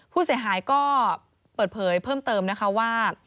ผู้เสียหายก็เปิดเผยเพิ่มเติมนะคะว่า